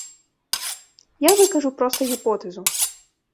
Я выкажу проста гіпотэзу.